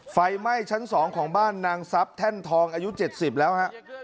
ไฟไหม้ชั้น๒ของบ้านนางทรัพย์แท่นทองอายุ๗๐แล้วฮะ